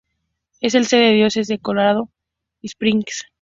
Es la sede de la Diócesis de Colorado Springs.